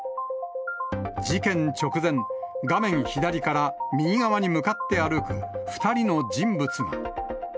事件直前、画面左から右側に向かって歩く２人の人物が。